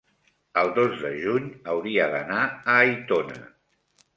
el dos de juny hauria d'anar a Aitona.